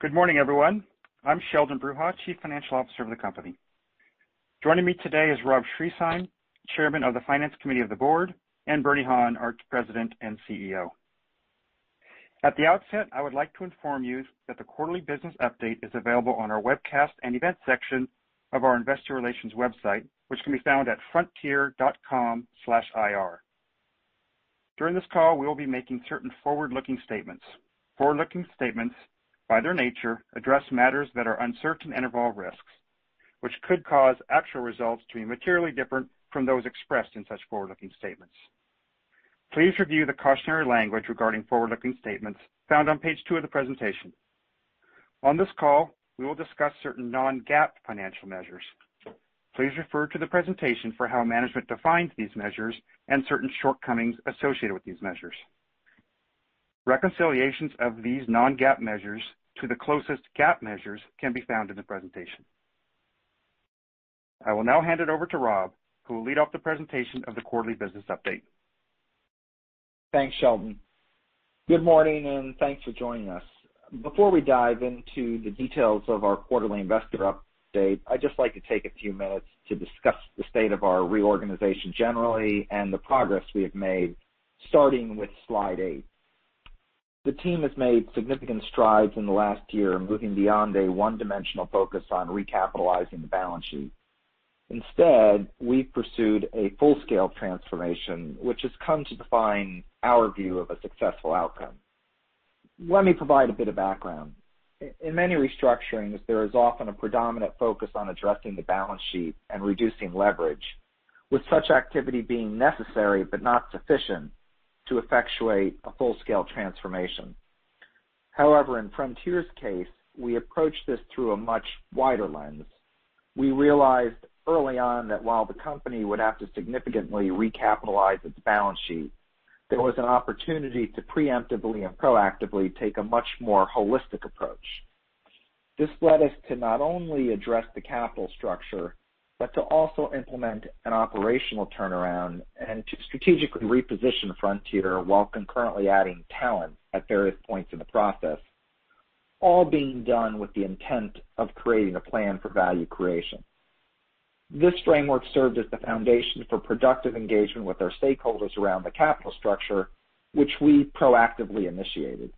Good morning, everyone. I'm Sheldon Bruha, Chief Financial Officer of the company. Joining me today is Robert Schriesheim, Chairman of the Finance Committee of the Board, and Bernie Han, our President and CEO. At the outset, I would like to inform you that the quarterly business update is available on our webcast and event section of our investor relations website, which can be found at frontier.com/ir. During this call, we will be making certain forward-looking statements. Forward-looking statements, by their nature, address matters that are uncertain and involve risks, which could cause actual results to be materially different from those expressed in such forward-looking statements. Please review the cautionary language regarding forward-looking statements found on page two of the presentation. On this call, we will discuss certain non-GAAP financial measures. Please refer to the presentation for how management defines these measures and certain shortcomings associated with these measures. Reconciliations of these non-GAAP measures to the closest GAAP measures can be found in the presentation. I will now hand it over to Rob, who will lead off the presentation of the quarterly business update. Thanks, Sheldon. Good morning, and thanks for joining us. Before we dive into the details of our quarterly investor update, I'd just like to take a few minutes to discuss the state of our reorganization generally and the progress we have made, starting with slide eight. The team has made significant strides in the last year, moving beyond a one-dimensional focus on recapitalizing the balance sheet. Instead, we've pursued a full-scale transformation, which has come to define our view of a successful outcome. Let me provide a bit of background. In many restructurings, there is often a predominant focus on addressing the balance sheet and reducing leverage, with such activity being necessary but not sufficient to effectuate a full-scale transformation. However, in Frontier's case, we approached this through a much wider lens. We realized early on that while the company would have to significantly recapitalize its balance sheet, there was an opportunity to preemptively and proactively take a much more holistic approach. This led us to not only address the capital structure but to also implement an operational turnaround and to strategically reposition Frontier while concurrently adding talent at various points in the process, all being done with the intent of creating a plan for value creation. This framework served as the foundation for productive engagement with our stakeholders around the capital structure, which we proactively initiated.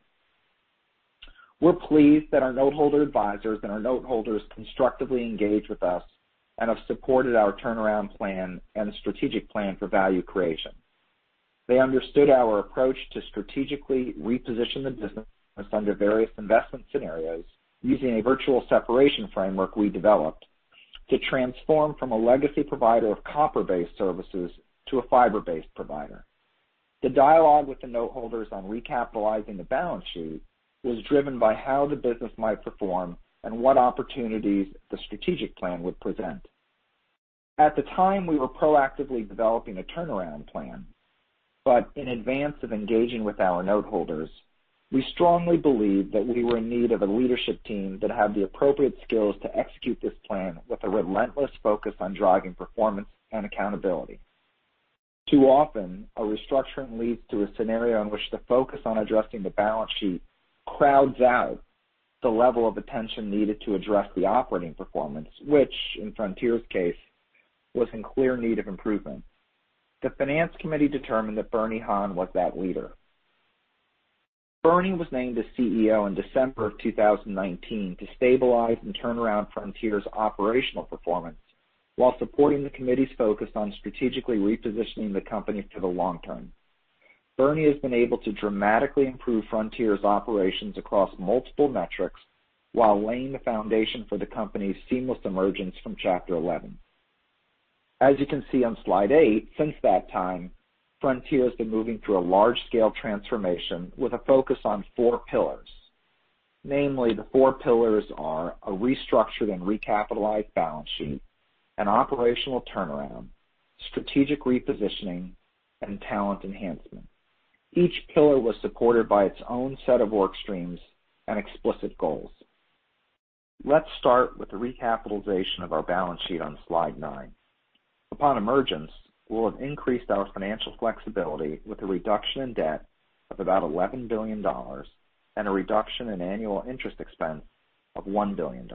We're pleased that our noteholder advisors and our noteholders constructively engaged with us and have supported our turnaround plan and strategic plan for value creation. They understood our approach to strategically reposition the business under various investment scenarios using a virtual separation framework we developed to transform from a legacy provider of copper-based services to a fiber-based provider. The dialogue with the noteholders on recapitalizing the balance sheet was driven by how the business might perform and what opportunities the strategic plan would present. At the time, we were proactively developing a turnaround plan, but in advance of engaging with our noteholders, we strongly believed that we were in need of a leadership team that had the appropriate skills to execute this plan with a relentless focus on driving performance and accountability. Too often, a restructuring leads to a scenario in which the focus on addressing the balance sheet crowds out the level of attention needed to address the operating performance, which, in Frontier's case, was in clear need of improvement. The Finance Committee determined that Bernie Han was that leader. Bernie was named as CEO in December of 2019 to stabilize and turn around Frontier's operational performance while supporting the committee's focus on strategically repositioning the company for the long term. Bernie has been able to dramatically improve Frontier's operations across multiple metrics while laying the foundation for the company's seamless emergence from Chapter 11. As you can see on slide eight, since that time, Frontier has been moving through a large-scale transformation with a focus on four pillars. Namely, the four pillars are a restructured and recapitalized balance sheet, an operational turnaround, strategic repositioning, and talent enhancement. Each pillar was supported by its own set of work streams and explicit goals. Let's start with the recapitalization of our balance sheet on slide nine. Upon emergence, we'll have increased our financial flexibility with a reduction in debt of about $11 billion and a reduction in annual interest expense of $1 billion.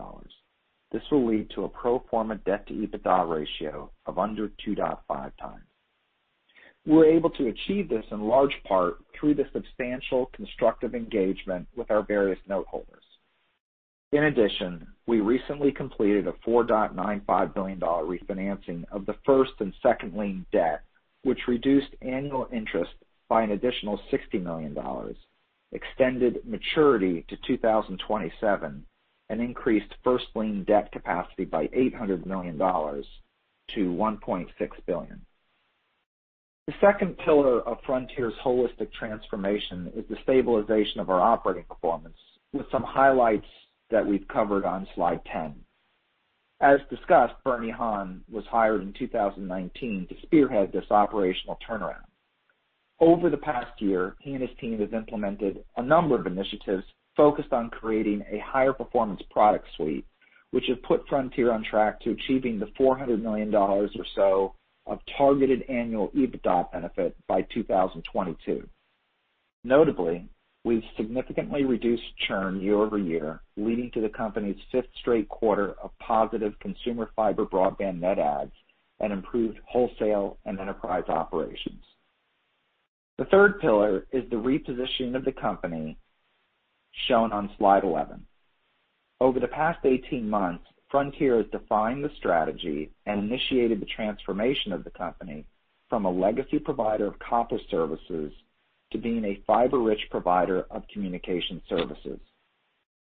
This will lead to a pro forma debt-to-EBITDA ratio of under 2.5 times. We're able to achieve this in large part through the substantial constructive engagement with our various noteholders. In addition, we recently completed a $4.95 billion refinancing of the first and second lien debt, which reduced annual interest by an additional $60 million, extended maturity to 2027, and increased first lien debt capacity by $800 million to $1.6 billion. The second pillar of Frontier's holistic transformation is the stabilization of our operating performance, with some highlights that we've covered on slide 10. As discussed, Bernie Han was hired in 2019 to spearhead this operational turnaround. Over the past year, he and his team have implemented a number of initiatives focused on creating a higher-performance product suite, which has put Frontier on track to achieving the $400 million or so of targeted annual EBITDA benefit by 2022. Notably, we've significantly reduced churn year over year, leading to the company's fifth straight quarter of positive consumer fiber broadband net adds and improved wholesale and enterprise operations. The third pillar is the repositioning of the company, shown on slide 11. Over the past 18 months, Frontier has defined the strategy and initiated the transformation of the company from a legacy provider of copper services to being a fiber-rich provider of communication services.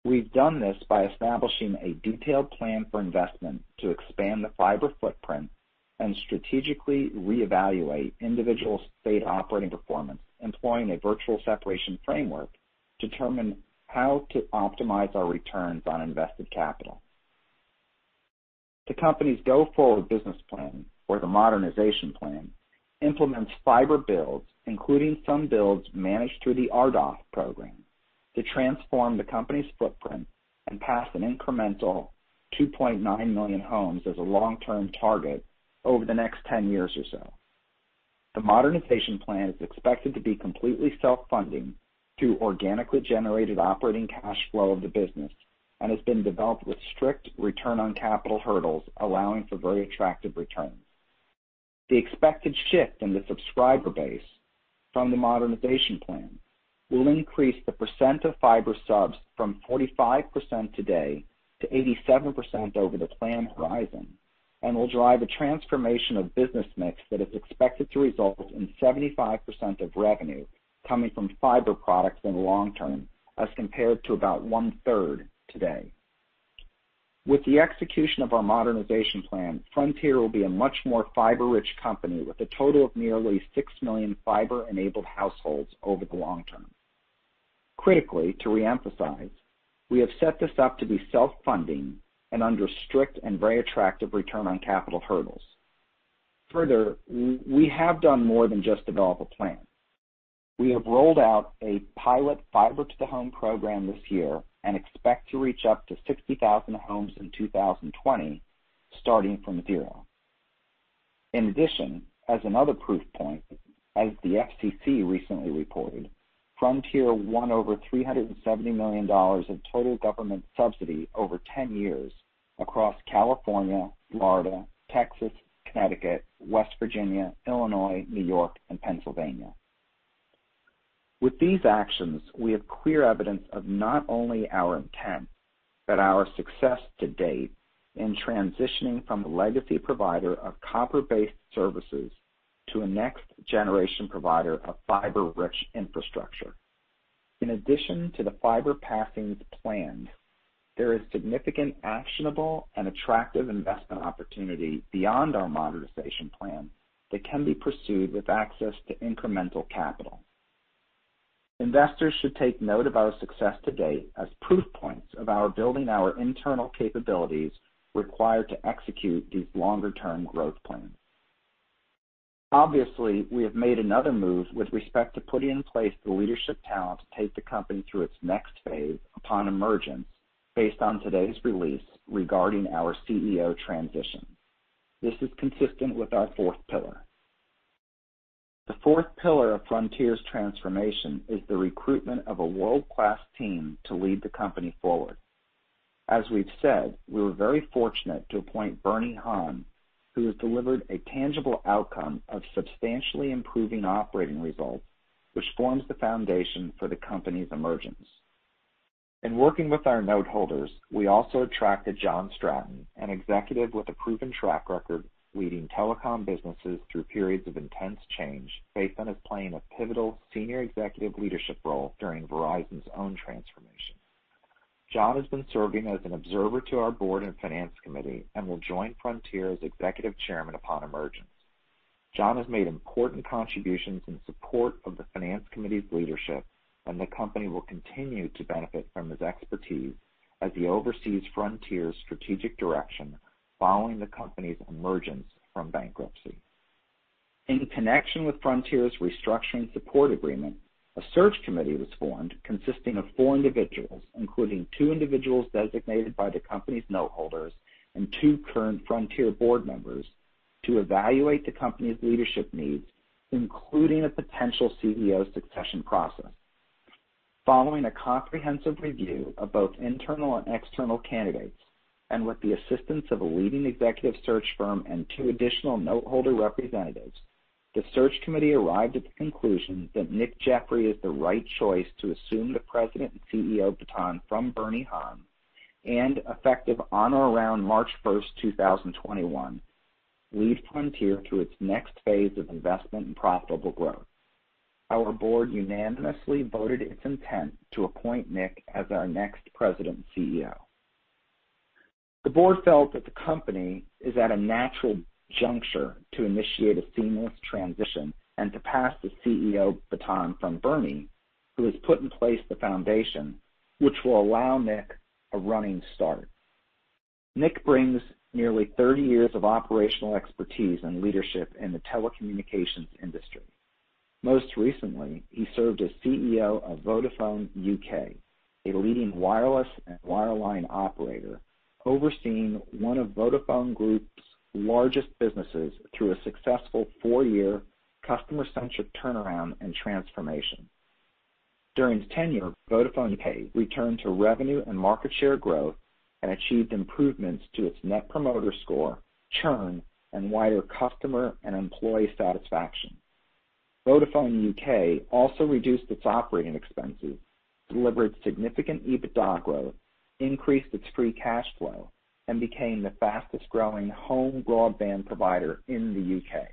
We've done this by establishing a detailed plan for investment to expand the fiber footprint and strategically reevaluate individual state operating performance, employing a virtual separation framework to determine how to optimize our returns on invested capital. The company's go-forward business plan, or the modernization plan, implements fiber builds, including some builds managed through the RDOF program, to transform the company's footprint and pass an incremental 2.9 million homes as a long-term target over the next 10 years or so. The modernization plan is expected to be completely self-funding through organically generated operating cash flow of the business and has been developed with strict return on capital hurdles, allowing for very attractive returns. The expected shift in the subscriber base from the Modernization Plan will increase the percent of fiber subs from 45% today to 87% over the planned horizon and will drive a transformation of business mix that is expected to result in 75% of revenue coming from fiber products in the long term as compared to about one-third today. With the execution of our Modernization Plan, Frontier will be a much more fiber-rich company with a total of nearly six million fiber-enabled households over the long term. Critically, to reemphasize, we have set this up to be self-funding and under strict and very attractive return on capital hurdles. Further, we have done more than just develop a plan. We have rolled out a pilot Fiber-to-the-Home program this year and expect to reach up to 60,000 homes in 2020, starting from zero. In addition, as another proof point, as the FCC recently reported, Frontier won over $370 million in total government subsidy over 10 years across California, Florida, Texas, Connecticut, West Virginia, Illinois, New York, and Pennsylvania. With these actions, we have clear evidence of not only our intent but our success to date in transitioning from the legacy provider of copper-based services to a next-generation provider of fiber-rich infrastructure. In addition to the fiber passings planned, there is significant actionable and attractive investment opportunity beyond our modernization plan that can be pursued with access to incremental capital. Investors should take note of our success to date as proof points of our building our internal capabilities required to execute these longer-term growth plans. Obviously, we have made another move with respect to putting in place the leadership talent to take the company through its next phase upon emergence, based on today's release regarding our CEO transition. This is consistent with our fourth pillar. The fourth pillar of Frontier's transformation is the recruitment of a world-class team to lead the company forward. As we've said, we were very fortunate to appoint Bernie Han, who has delivered a tangible outcome of substantially improving operating results, which forms the foundation for the company's emergence. In working with our noteholders, we also attracted John Stratton, an executive with a proven track record leading telecom businesses through periods of intense change, based on his playing a pivotal senior executive leadership role during Verizon's own transformation. John has been serving as an observer to our board and finance committee and will join Frontier as Executive Chairman upon emergence. John has made important contributions in support of the finance committee's leadership, and the company will continue to benefit from his expertise as he oversees Frontier's strategic direction following the company's emergence from bankruptcy. In connection with Frontier's restructuring support agreement, a search committee was formed consisting of four individuals, including two individuals designated by the company's noteholders and two current Frontier board members, to evaluate the company's leadership needs, including a potential CEO succession process. Following a comprehensive review of both internal and external candidates and with the assistance of a leading executive search firm and two additional noteholder representatives, the search committee arrived at the conclusion that Nick Jeffery is the right choice to assume the president and CEO baton from Bernie Han and, effective on or around March 1, 2021, lead Frontier through its next phase of investment and profitable growth. Our board unanimously voted its intent to appoint Nick as our next President and CEO. The board felt that the company is at a natural juncture to initiate a seamless transition and to pass the CEO baton from Bernie, who has put in place the foundation, which will allow Nick a running start. Nick brings nearly 30 years of operational expertise and leadership in the telecommunications industry. Most recently, he served as CEO of Vodafone U.K., a leading wireless and wireline operator overseeing one of Vodafone Group's largest businesses through a successful four-year customer-centric turnaround and transformation. During his tenure, Vodafone U.K. returned to revenue and market share growth and achieved improvements to its Net Promoter Score, churn, and wider customer and employee satisfaction. Vodafone U.K. also reduced its operating expenses, delivered significant EBITDA growth, increased its free cash flow, and became the fastest-growing home broadband provider in the U.K.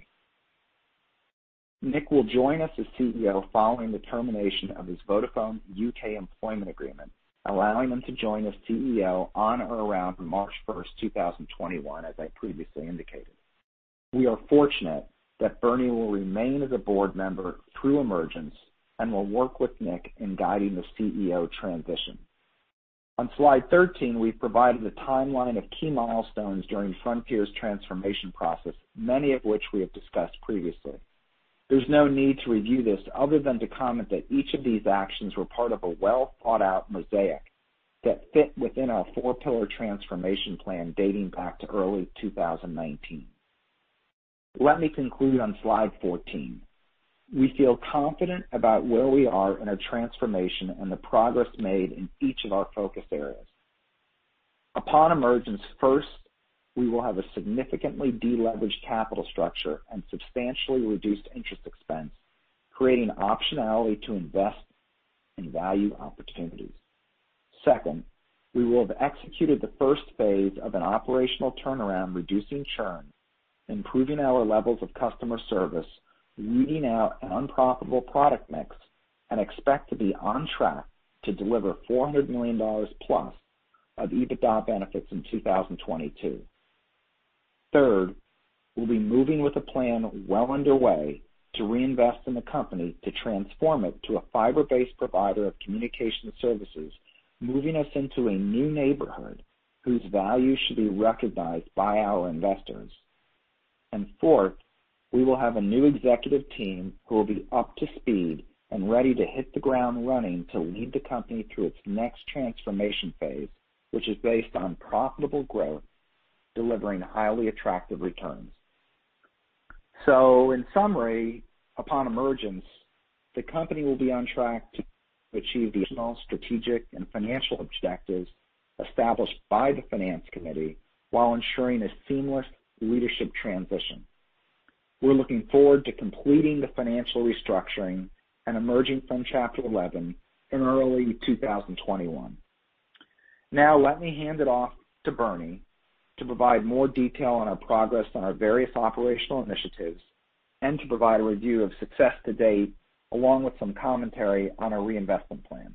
Nick will join us as CEO following the termination of his Vodafone UK employment agreement, allowing him to join as CEO on or around March 1, 2021, as I previously indicated. We are fortunate that Bernie will remain as a board member through emergence and will work with Nick in guiding the CEO transition. On slide 13, we've provided a timeline of key milestones during Frontier's transformation process, many of which we have discussed previously. There's no need to review this other than to comment that each of these actions were part of a well-thought-out mosaic that fit within our four-pillar transformation plan dating back to early 2019. Let me conclude on slide 14. We feel confident about where we are in our transformation and the progress made in each of our focus areas. Upon emergence, first, we will have a significantly deleveraged capital structure and substantially reduced interest expense, creating optionality to invest in value opportunities. Second, we will have executed the first phase of an operational turnaround, reducing churn, improving our levels of customer service, weeding out an unprofitable product mix, and expect to be on track to deliver $400 million plus of EBITDA benefits in 2022. Third, we'll be moving with a plan well underway to reinvest in the company to transform it to a fiber-based provider of communication services, moving us into a new neighborhood whose value should be recognized by our investors. Fourth, we will have a new executive team who will be up to speed and ready to hit the ground running to lead the company through its next transformation phase, which is based on profitable growth, delivering highly attractive returns. In summary, upon emergence, the company will be on track to achieve the optional strategic and financial objectives established by the finance committee while ensuring a seamless leadership transition. We're looking forward to completing the financial restructuring and emerging from Chapter 11 in early 2021. Now, let me hand it off to Bernie to provide more detail on our progress on our various operational initiatives and to provide a review of success to date, along with some commentary on our reinvestment plan.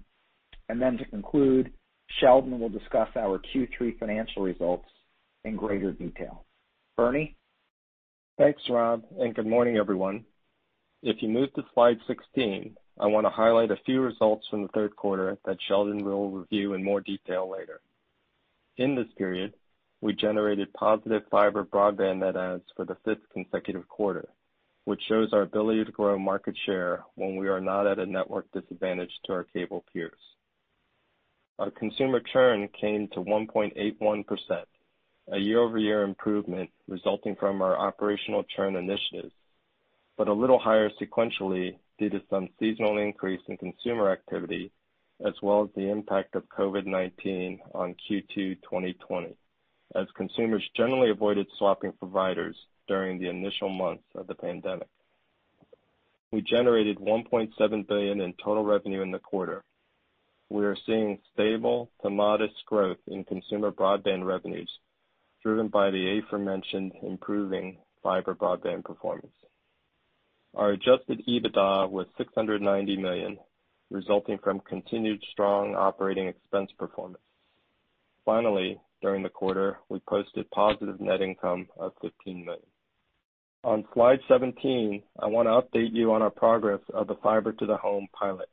And then, to conclude, Sheldon will discuss our Q3 financial results in greater detail. Bernie? Thanks, Rob, and good morning, everyone. If you move to slide 16, I want to highlight a few results from the third quarter that Sheldon will review in more detail later. In this period, we generated positive fiber broadband net adds for the fifth consecutive quarter, which shows our ability to grow market share when we are not at a network disadvantage to our cable peers. Our consumer churn came to 1.81%, a year-over-year improvement resulting from our operational churn initiatives, but a little higher sequentially due to some seasonal increase in consumer activity, as well as the impact of COVID-19 on Q2 2020, as consumers generally avoided swapping providers during the initial months of the pandemic. We generated $1.7 billion in total revenue in the quarter. We are seeing stable to modest growth in consumer broadband revenues, driven by the aforementioned improving fiber broadband performance. Our adjusted EBITDA was $690 million, resulting from continued strong operating expense performance. Finally, during the quarter, we posted positive net income of $15 million. On slide 17, I want to update you on our progress of the Fiber-to-the-Home pilot.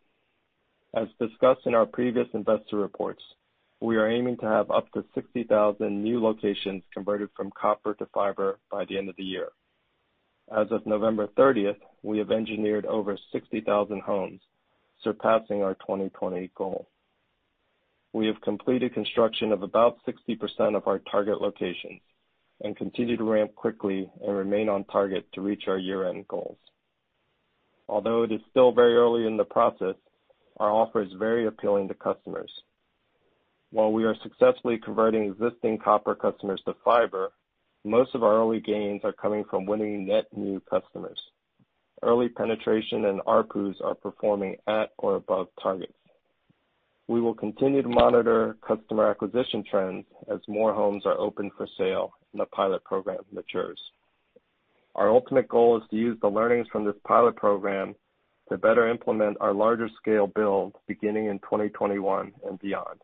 As discussed in our previous investor reports, we are aiming to have up to 60,000 new locations converted from copper to fiber by the end of the year. As of November 30, we have engineered over 60,000 homes, surpassing our 2020 goal. We have completed construction of about 60% of our target locations and continue to ramp quickly and remain on target to reach our year-end goals. Although it is still very early in the process, our offer is very appealing to customers. While we are successfully converting existing copper customers to fiber, most of our early gains are coming from winning net new customers. Early penetration and ARPUs are performing at or above targets. We will continue to monitor customer acquisition trends as more homes are open for sale and the pilot program matures. Our ultimate goal is to use the learnings from this pilot program to better implement our larger-scale build beginning in 2021 and beyond.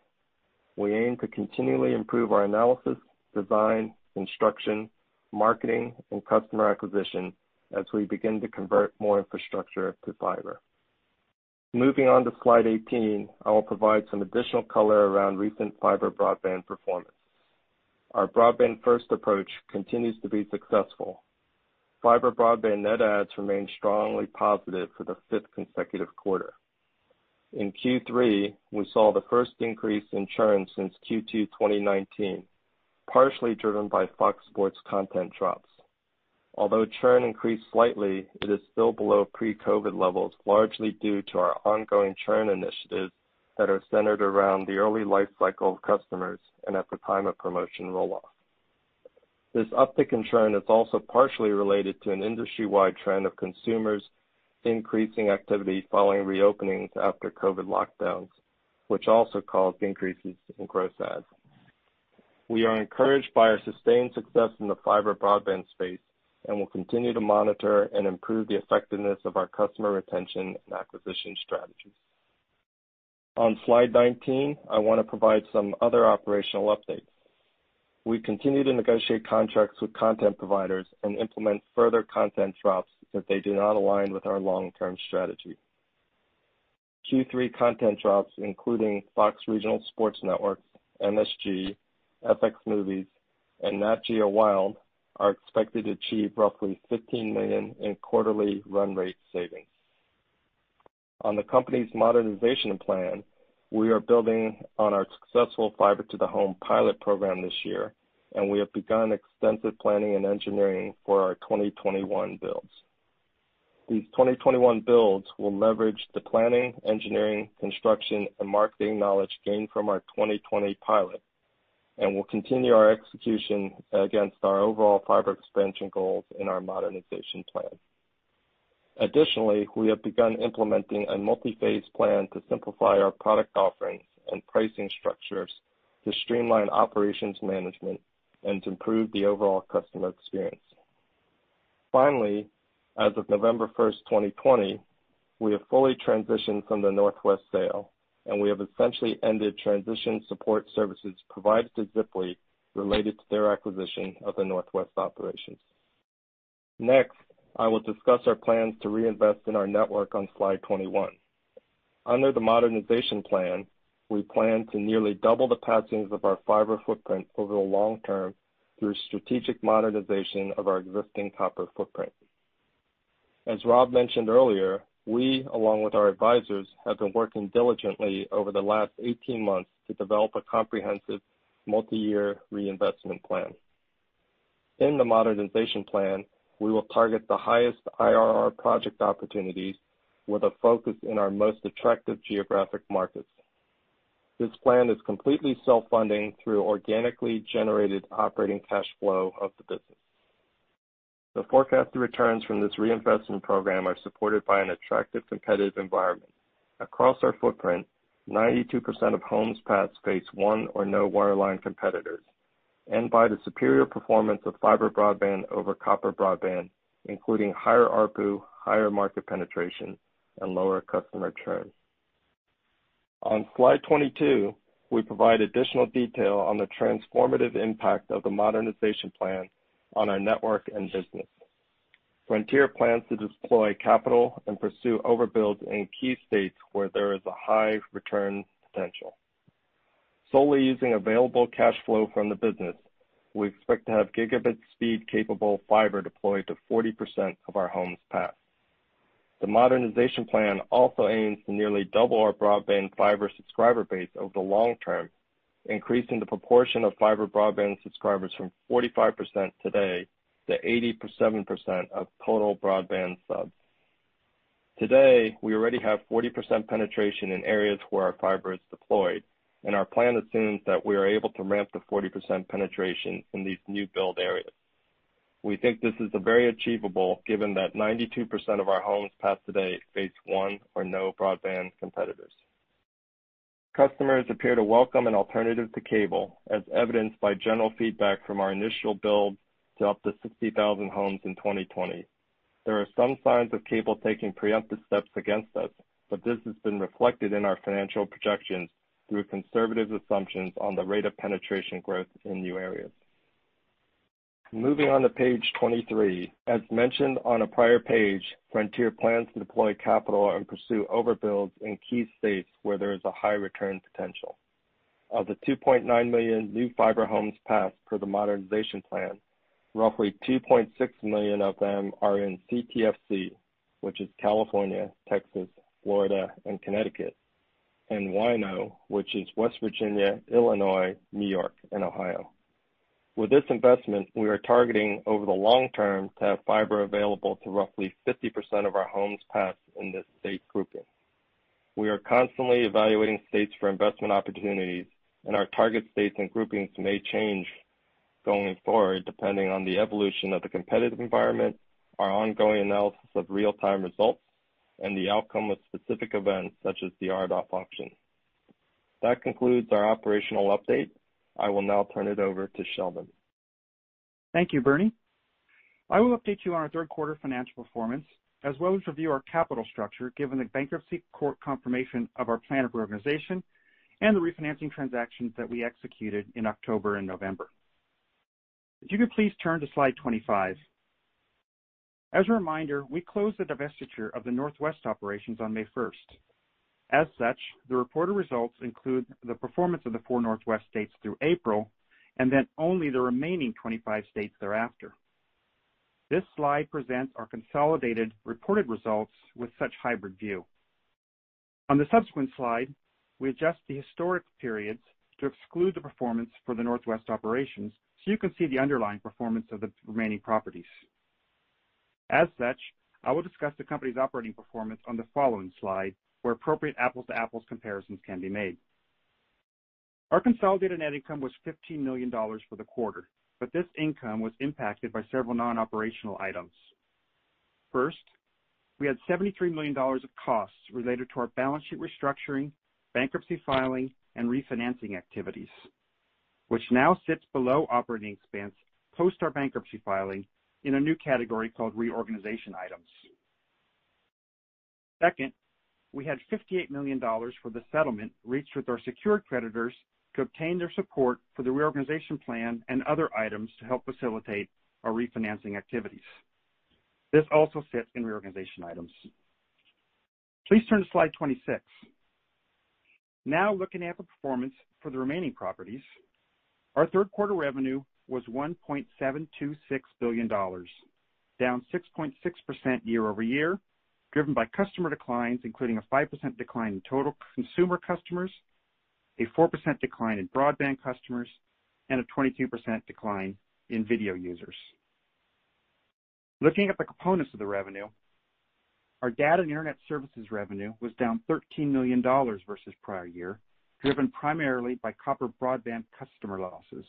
We aim to continually improve our analysis, design, construction, marketing, and customer acquisition as we begin to convert more infrastructure to fiber. Moving on to slide 18, I will provide some additional color around recent fiber broadband performance. Our broadband-first approach continues to be successful. Fiber broadband net adds remain strongly positive for the fifth consecutive quarter. In Q3, we saw the first increase in churn since Q2 2019, partially driven by Fox Sports content drops. Although churn increased slightly, it is still below pre-COVID levels, largely due to our ongoing churn initiatives that are centered around the early life cycle of customers and at the time of promotion roll off. This uptick in churn is also partially related to an industry-wide trend of consumers increasing activity following reopenings after COVID lockdowns, which also caused increases in gross adds. We are encouraged by our sustained success in the fiber broadband space and will continue to monitor and improve the effectiveness of our customer retention and acquisition strategies. On slide 19, I want to provide some other operational updates. We continue to negotiate contracts with content providers and implement further content drops that do not align with our long-term strategy. Q3 content drops, including Fox Regional Sports Networks, MSG, FX Movies, and Nat Geo Wild, are expected to achieve roughly $15 million in quarterly run rate savings. On the company's modernization plan, we are building on our successful fiber-to-the-home pilot program this year, and we have begun extensive planning and engineering for our 2021 builds. These 2021 builds will leverage the planning, engineering, construction, and marketing knowledge gained from our 2020 pilot and will continue our execution against our overall fiber expansion goals in our modernization plan. Additionally, we have begun implementing a multi-phase plan to simplify our product offerings and pricing structures to streamline operations management and to improve the overall customer experience. Finally, as of November 1, 2020, we have fully transitioned from the Northwest sale, and we have essentially ended transition support services provided to Ziply related to their acquisition of the Northwest operations. Next, I will discuss our plans to reinvest in our network on slide 21. Under the modernization plan, we plan to nearly double the passings of our fiber footprint over the long term through strategic modernization of our existing copper footprint. As Rob mentioned earlier, we, along with our advisors, have been working diligently over the last 18 months to develop a comprehensive multi-year reinvestment plan. In the Modernization Plan, we will target the highest IRR project opportunities with a focus in our most attractive geographic markets. This plan is completely self-funding through organically generated operating cash flow of the business. The forecasted returns from this reinvestment program are supported by an attractive competitive environment. Across our footprint, 92% of homes pass face one or no wireline competitors and by the superior performance of fiber broadband over copper broadband, including higher ARPU, higher market penetration, and lower customer churn. On slide 22, we provide additional detail on the transformative impact of the Modernization Plan on our network and business. Frontier plans to deploy capital and pursue overbuilds in key states where there is a high return potential. Solely using available cash flow from the business, we expect to have gigabit-speed capable fiber deployed to 40% of our homes passed. The Modernization Plan also aims to nearly double our broadband fiber subscriber base over the long term, increasing the proportion of fiber broadband subscribers from 45% today to 87% of total broadband subs. Today, we already have 40% penetration in areas where our fiber is deployed, and our plan assumes that we are able to ramp the 40% penetration in these new build areas. We think this is very achievable, given that 92% of our homes passed today have face one or no broadband competitors. Customers appear to welcome an alternative to cable, as evidenced by general feedback from our initial build to up to 60,000 homes in 2020. There are some signs of cable taking preemptive steps against us, but this has been reflected in our financial projections through conservative assumptions on the rate of penetration growth in new areas. Moving on to page 23, as mentioned on a prior page, Frontier plans to deploy capital and pursue overbuilds in key states where there is a high return potential. Of the 2.9 million new fiber homes passed per the Modernization Plan, roughly 2.6 million of them are in CTFC, which is California, Texas, Florida, and Connecticut, and WINO, which is West Virginia, Illinois, New York, and Ohio. With this investment, we are targeting over the long term to have fiber available to roughly 50% of our homes passed in this state grouping. We are constantly evaluating states for investment opportunities, and our target states and groupings may change going forward, depending on the evolution of the competitive environment, our ongoing analysis of real-time results, and the outcome of specific events such as the RDOF auction. That concludes our operational update. I will now turn it over to Sheldon. Thank you, Bernie. I will update you on our third quarter financial performance, as well as review our capital structure given the bankruptcy court confirmation of our plan of organization and the refinancing transactions that we executed in October and November. If you could please turn to slide 25. As a reminder, we closed the divestiture of the Northwest operations on May 1. As such, the reported results include the performance of the four Northwest states through April and then only the remaining 25 states thereafter. This slide presents our consolidated reported results with such hybrid view. On the subsequent slide, we adjust the historic periods to exclude the performance for the Northwest operations, so you can see the underlying performance of the remaining properties. As such, I will discuss the company's operating performance on the following slide, where appropriate apples-to-apples comparisons can be made. Our consolidated net income was $15 million for the quarter, but this income was impacted by several non-operational items. First, we had $73 million of costs related to our balance sheet restructuring, bankruptcy filing, and refinancing activities, which now sits below operating expense post our bankruptcy filing in a new category called reorganization items. Second, we had $58 million for the settlement reached with our secured creditors to obtain their support for the reorganization plan and other items to help facilitate our refinancing activities. This also sits in reorganization items. Please turn to slide 26. Now, looking at the performance for the remaining properties, our third quarter revenue was $1.726 billion, down 6.6% year-over-year, driven by customer declines, including a 5% decline in total consumer customers, a 4% decline in broadband customers, and a 22% decline in video users. Looking at the components of the revenue, our data and internet services revenue was down $13 million versus prior year, driven primarily by copper broadband customer losses,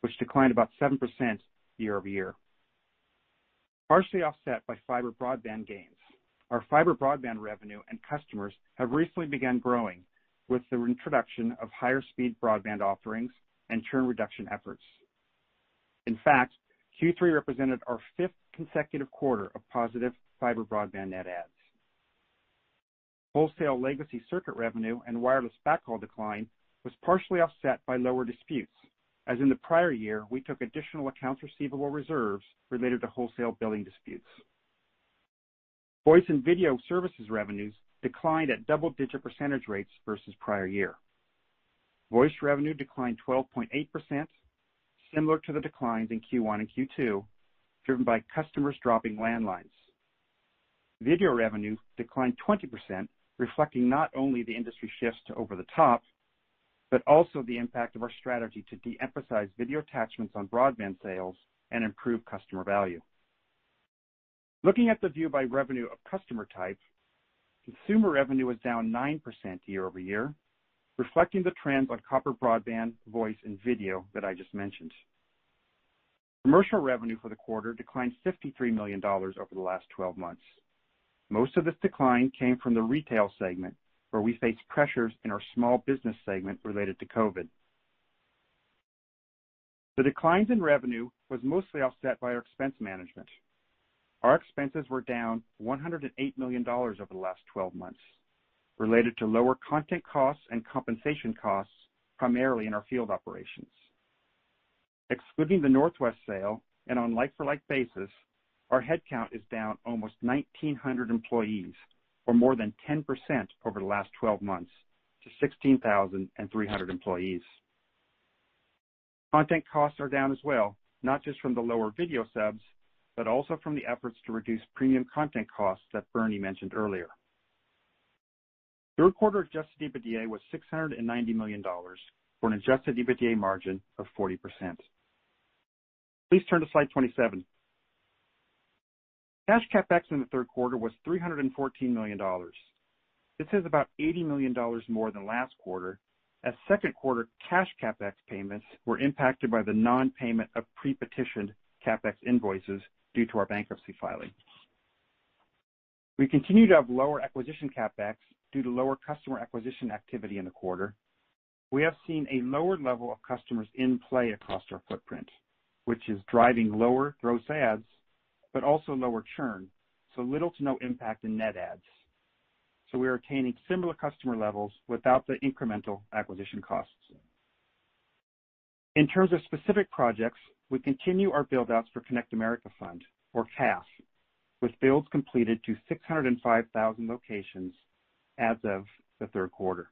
which declined about 7% year-over-year, partially offset by fiber broadband gains. Our fiber broadband revenue and customers have recently begun growing with the introduction of higher-speed broadband offerings and churn reduction efforts. In fact, Q3 represented our fifth consecutive quarter of positive fiber broadband net adds. Wholesale legacy circuit revenue and wireless backhaul decline was partially offset by lower disputes, as in the prior year, we took additional accounts receivable reserves related to wholesale billing disputes. Voice and video services revenues declined at double-digit percentage rates versus prior year. Voice revenue declined 12.8%, similar to the declines in Q1 and Q2, driven by customers dropping landlines. Video revenue declined 20%, reflecting not only the industry shifts to over-the-top, but also the impact of our strategy to de-emphasize video attachments on broadband sales and improve customer value. Looking at the view by revenue of customer type, consumer revenue was down 9% year-over-year, reflecting the trends on copper broadband, voice, and video that I just mentioned. Commercial revenue for the quarter declined $53 million over the last 12 months. Most of this decline came from the retail segment, where we faced pressures in our small business segment related to COVID. The declines in revenue were mostly offset by our expense management. Our expenses were down $108 million over the last 12 months, related to lower content costs and compensation costs, primarily in our field operations. Excluding the Northwest sale and on like-for-like basis, our headcount is down almost 1,900 employees, or more than 10% over the last 12 months, to 16,300 employees. Content costs are down as well, not just from the lower video subs, but also from the efforts to reduce premium content costs that Bernie mentioned earlier. Third quarter adjusted EBITDA was $690 million for an adjusted EBITDA margin of 40%. Please turn to slide 27. Cash CapEx in the third quarter was $314 million. This is about $80 million more than last quarter, as second quarter cash CapEx payments were impacted by the non-payment of pre-petition CapEx invoices due to our bankruptcy filing. We continue to have lower acquisition CapEx due to lower customer acquisition activity in the quarter. We have seen a lower level of customers in play across our footprint, which is driving lower gross adds, but also lower churn, so little to no impact in net adds. So we are attaining similar customer levels without the incremental acquisition costs. In terms of specific projects, we continue our build-outs for Connect America Fund, or CAF, with builds completed to 605,000 locations as of the third quarter.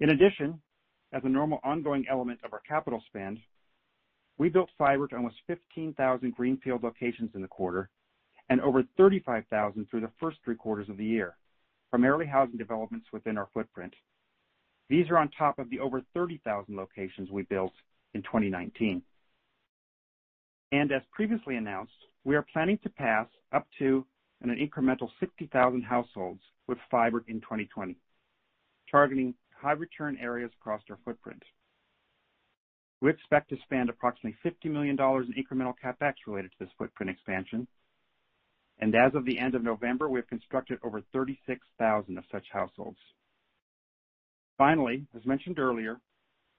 In addition, as a normal ongoing element of our capital spend, we built fiber to almost 15,000 greenfield locations in the quarter and over 35,000 through the first three quarters of the year, primarily housing developments within our footprint. These are on top of the over 30,000 locations we built in 2019. And as previously announced, we are planning to pass up to an incremental 60,000 households with fiber in 2020, targeting high-return areas across our footprint. We expect to spend approximately $50 million in incremental CapEx related to this footprint expansion. And as of the end of November, we have constructed over 36,000 of such households. Finally, as mentioned earlier,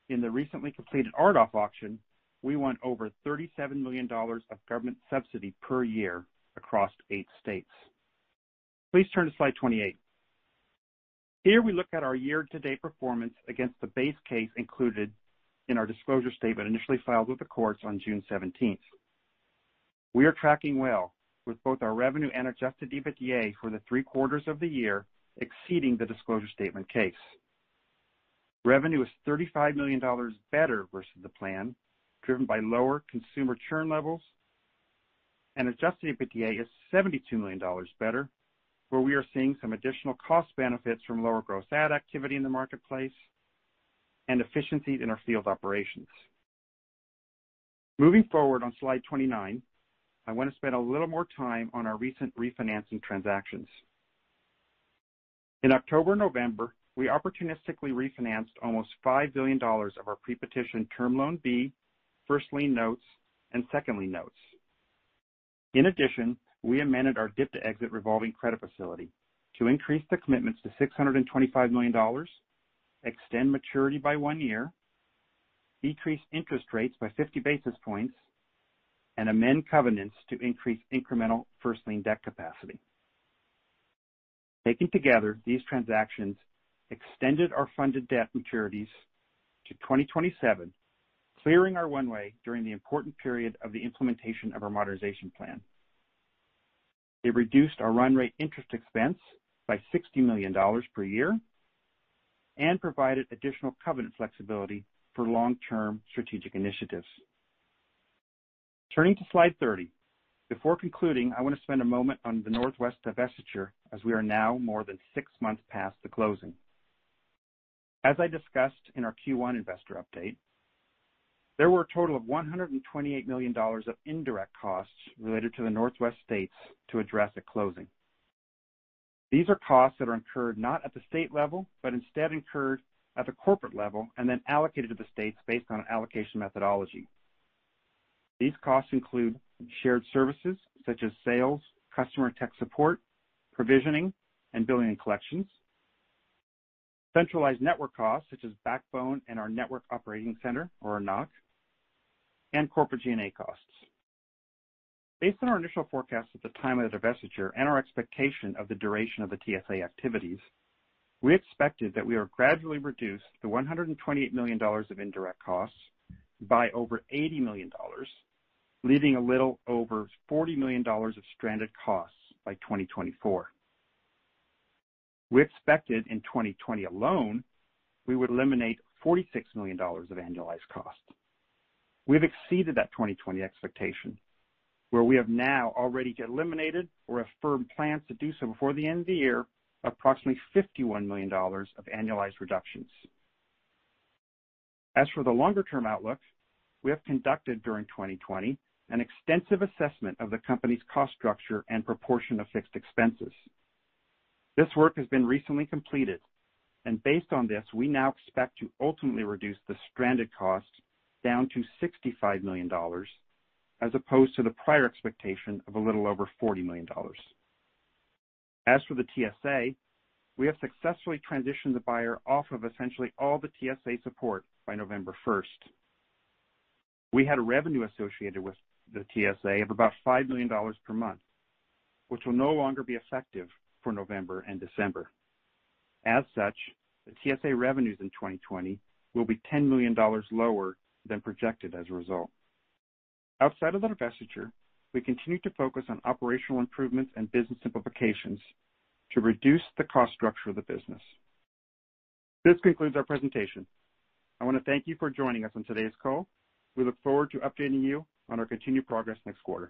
in the recently completed RDOF auction, we won over $37 million of government subsidy per year across eight states. Please turn to slide 28. Here we look at our year-to-date performance against the base case included in our disclosure statement initially filed with the courts on June 17. We are tracking well with both our revenue and adjusted EBITDA for the three quarters of the year exceeding the disclosure statement case. Revenue is $35 million better versus the plan, driven by lower consumer churn levels, and adjusted EBITDA is $72 million better, rrwhere we are seeing some additional cost benefits from lower gross ad activity in the marketplace and efficiency in our field operations. Moving forward on slide 29, I want to spend a little more time on our recent refinancing transactions. In October and November, we opportunistically refinanced almost $5 billion of our pre-petition Term Loan B, first lien notes, and second lien notes. In addition, we amended our DIP-to-exit revolving credit facility to increase the commitments to $625 million, extend maturity by one year, decrease interest rates by 50 basis points, and amend covenants to increase incremental first lien debt capacity. Taken together, these transactions extended our funded debt maturities to 2027, clearing our runway during the important period of the implementation of our Modernization Plan. It reduced our run rate interest expense by $60 million per year and provided additional covenant flexibility for long-term strategic initiatives. Turning to slide 30, before concluding, I want to spend a moment on the Northwest divestiture as we are now more than six months past the closing. As I discussed in our Q1 investor update, there were a total of $128 million of indirect costs related to the Northwest states to address at closing. These are costs that are incurred not at the state level, but instead incurred at the corporate level and then allocated to the states based on allocation methodology. These costs include shared services such as sales, customer tech support, provisioning, and billing and collections, centralized network costs such as backbone and our network operating center, or NOC, and corporate G&A costs. Based on our initial forecast at the time of the divestiture and our expectation of the duration of the TSA activities, we expected that we would gradually reduce the $128 million of indirect costs by over $80 million, leaving a little over $40 million of stranded costs by 2024. We expected in 2020 alone, we would eliminate $46 million of annualized cost. We've exceeded that 2020 expectation, where we have now already eliminated or affirmed plans to do so before the end of the year, approximately $51 million of annualized reductions. As for the longer-term outlook, we have conducted during 2020 an extensive assessment of the company's cost structure and proportion of fixed expenses. This work has been recently completed, and based on this, we now expect to ultimately reduce the stranded cost down to $65 million as opposed to the prior expectation of a little over $40 million. As for the TSA, we have successfully transitioned the buyer off of essentially all the TSA support by November 1. We had a revenue associated with the TSA of about $5 million per month, which will no longer be effective for November and December. As such, the TSA revenues in 2020 will be $10 million lower than projected as a result. Outside of the divestiture, we continue to focus on operational improvements and business simplifications to reduce the cost structure of the business. This concludes our presentation. I want to thank you for joining us on today's call. We look forward to updating you on our continued progress next quarter.